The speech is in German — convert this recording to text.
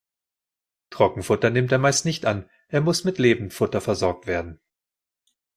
Trockenfutter nimmt er meist nicht an, er muss mit Lebendfutter versorgt werden.